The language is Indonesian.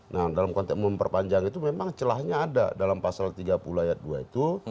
nah dalam konteks memperpanjang itu memang celahnya ada dalam pasal tiga puluh ayat dua itu